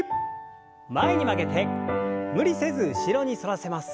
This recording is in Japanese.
前に曲げて無理せず後ろに反らせます。